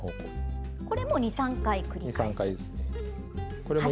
これも２３回繰り返す。